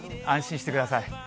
安心してください。